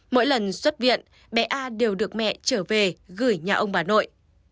mỗi lần xuất viện bé a đều được mẹ trở về gửi nhà ông bà nội